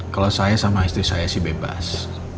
kalau saya sama istri saya sih bebas